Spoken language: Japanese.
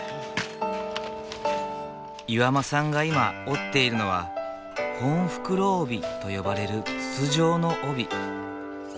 岩間さんが今織っているのは本袋帯と呼ばれる筒状の帯。